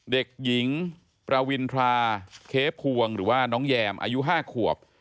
เด็กหญิงประวินทราเค้พวงหรือว่าน้องแยมอายุ๕ขวบ